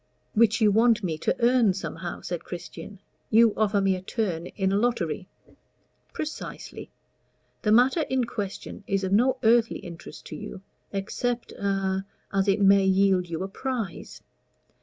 "Which you want me to earn somehow?" said Christian. "You offer me a turn in a lottery?" "Precisely. The matter in question is of no earthly interest to you, except a as it may yield you a prize.